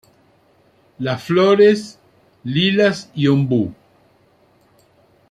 Las Flores, Lilas y Ombú.